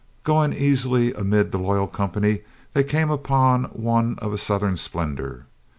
Going easily amid the loyal company, they came upon one of a southern splendor.